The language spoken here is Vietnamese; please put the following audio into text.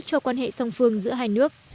cho quan hệ song phương giữa hai nước